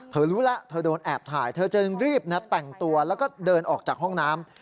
รู้แล้วเธอโดนแอบถ่ายเธอจึงรีบแต่งตัวแล้วก็เดินออกจากห้องน้ำ